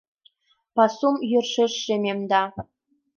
Пасум йӧршеш шемемда.